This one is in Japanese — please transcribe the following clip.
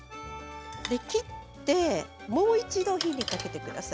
お湯を切ってもう一度火にかけてください。